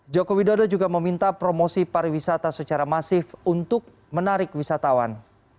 joko widodo juga meminta promosi pariwisata secara masif untuk menarik wisatawan